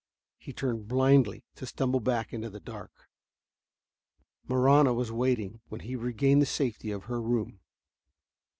He turned blindly, to stumble back into the dark. Marahna was waiting when he regained the safety of her room.